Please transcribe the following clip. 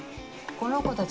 この子たち